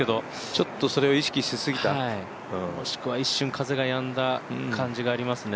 ちょっとそれを意識しすぎた、もしくは一瞬風がやんだ可能性がありますね。